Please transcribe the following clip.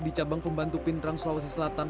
di cabang pembantu pindrang sulawesi selatan